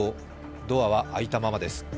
ドアは開いたままです。